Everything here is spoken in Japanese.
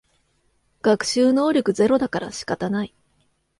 学習能力ゼロだから仕方ない